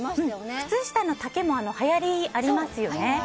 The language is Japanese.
靴下の丈も流行がありますよね。